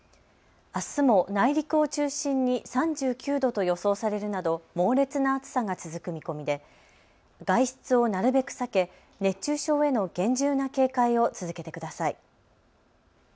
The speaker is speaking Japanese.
あすも内陸を中心に３９度と予想されるなど猛烈な暑さが続く見込みで外出をなるべく避け、熱中症への厳重な警戒を続けてください。